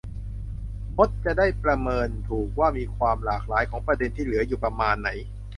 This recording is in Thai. มดจะได้ประเมินถูกว่ามีความหลากหลายของประเด็นที่เหลืออยู่ประมาณไหน